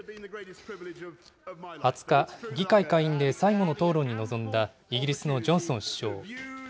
２０日、議会下院で最後の討論に臨んだイギリスのジョンソン首相。